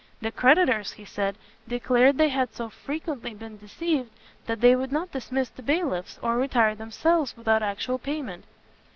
The creditors, he said, declared they had so frequently been deceived, that they would not dismiss the bailiffs, or retire themselves, without actual payment.